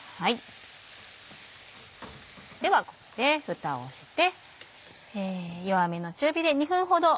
ではここでふたをして。